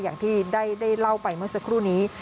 อย่างที่ได้เล่าไปเมื่อสักครู่นี้